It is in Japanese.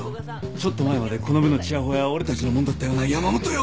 ちょっと前までこの部のちやほやは俺たちのもんだったよな山本よ。